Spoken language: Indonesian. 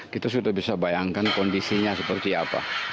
kita sudah bisa bayangkan kondisinya seperti apa